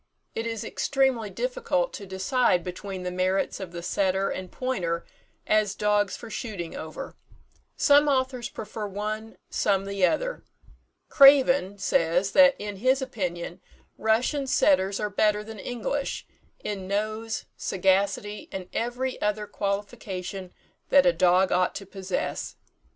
It is extremely difficult to decide between the merits of the setter and pointer as dogs for shooting over. Some authors prefer one, some the other. "Craven" says, that in his opinion Russian setters are better than English, in nose, sagacity, and every other qualification that a dog ought to possess.